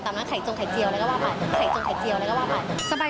ตามนั้นไข่จงไข่เจียวแล้วก็ว่าไป